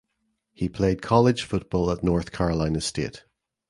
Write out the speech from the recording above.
He played college football at North Carolina State.